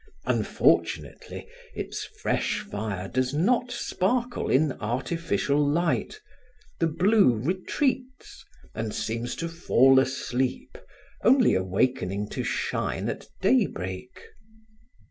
Unfortunately, its fresh fire does not sparkle in artificial light: the blue retreats and seems to fall asleep, only awakening to shine at daybreak.